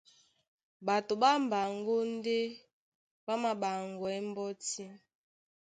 Ɓato ɓá mbaŋgó ndé ɓá māɓaŋgwɛɛ́ mbɔ́tí.